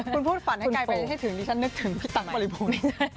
คุณพูดฝันให้ไกลไปให้ถึงดิฉันนึกถึงพี่ตังปริพงศ์ไม่ได้